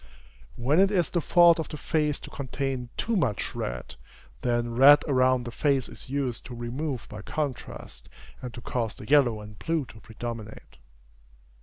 When it is the fault of a face to contain too much red, then red around the face is used to remove by contrast, and to cause the yellow and blue to predominate.